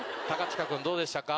塚君どうでしたか？